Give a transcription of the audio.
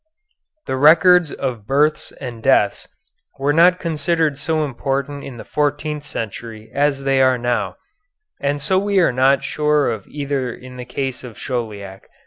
The records of births and deaths were not considered so important in the fourteenth century as they are now, and so we are not sure of either in the case of Chauliac.